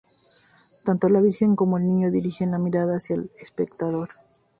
Tanto la Virgen como el Niño dirigen la mirada hacia el espectador.